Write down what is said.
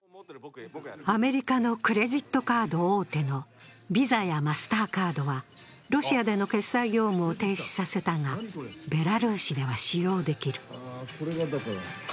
アメリカのクレジットカード大手のＶＩＳＡやマスターカードはロシアでの決済業務を停止させたがベラルーシでは使用できる。